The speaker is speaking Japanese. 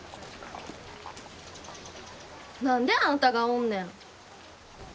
何であんたがおんねん！？